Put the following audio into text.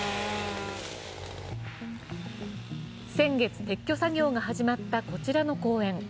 先月、撤去作業が始まったこちらの公園。